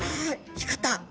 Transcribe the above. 光った！